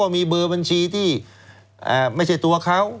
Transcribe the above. มีเบอร์บัญชีที่ไม่ใช่ตัวเขา